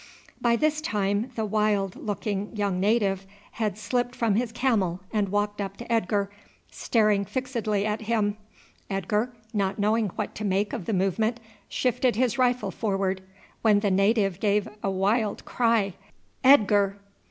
By this time the wild looking young native had slipped from his camel and walked up to Edgar, staring fixedly at him. Edgar, not knowing what to make of the movement, shifted his rifle forward, when the native gave a wild cry, "Edgar!"